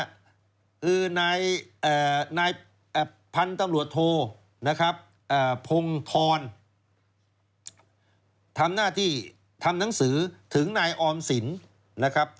คือนายพันธุ์ตำรวจโทนะครับพงธรทำหน้าที่ทำหนังสือถึงนายออมสินนะครับ